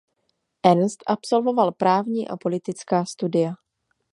Ernst absolvoval právní a politická studia.